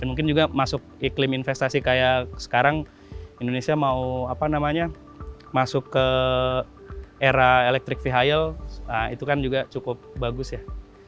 mungkin juga masuk iklim investasi kayak sekarang indonesia mau apa namanya masuk ke era electric vehial itu kan juga cukup bagus ya